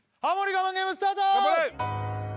我慢ゲームスタート！